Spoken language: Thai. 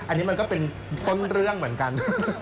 อันนี้มันก็เป็นต้นเรื่องเหมือนกัน